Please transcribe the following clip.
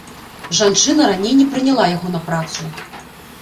Жанчына раней не прыняла яго на працу.